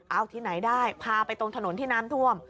เอาที่ไหนได้พาไปตรงถนนที่น้ำท่วม